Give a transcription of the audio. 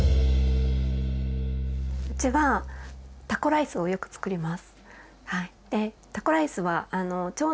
うちはタコライスをよくつくります。